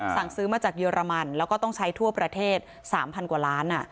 สั่งซื้อมาจากเยอรมันแล้วก็ต้องใช้ทั่วประเทศ๓๐๐กว่าล้าน